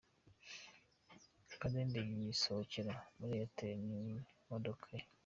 Kadende yisohokera muri Airtel n'imodoka ye.